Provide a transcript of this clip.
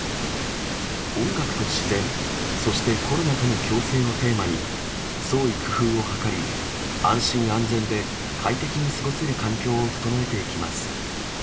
音楽と自然、そしてコロナとの共生をテーマに、創意工夫を図り、安心・安全で快適に過ごせる環境を整えていきます。